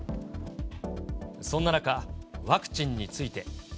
そんな中、ワクチンについて。